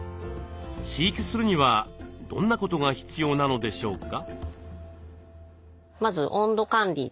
飼育するにはどんなことが必要なのでしょうか。